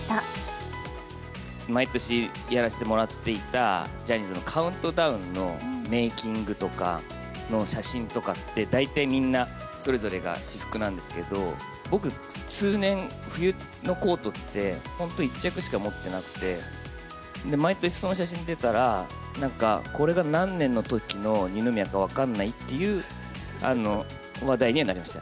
毎年やらせてもらっていた、ジャニーズのカウントダウンのメーキングとかの写真とかって、大体みんな、それぞれが私服なんですけど、僕、通年、冬のコートって、本当１着しか持ってなくて、毎年その写真出たら、なんかこれが何年のときの二宮か分かんないっていう話題にはなりました。